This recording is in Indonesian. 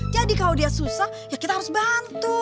jadi kalau dia susah ya kita harus bantu